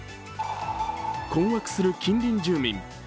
困惑する近隣住民。